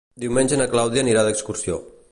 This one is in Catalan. Diumenge na Clàudia anirà d'excursió.